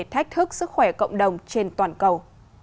thách thức sức khỏe cộng đồng trên toàn cầu